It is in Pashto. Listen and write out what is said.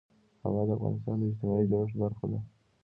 هوا د افغانستان د اجتماعي جوړښت برخه ده.